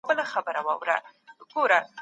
اسلام د ټولو انسانانو لپاره دی.